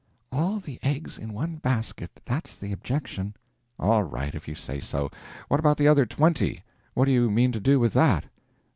"All the eggs in one basket that's the objection." "All right, if you say so. What about the other twenty? What do you mean to do with that?"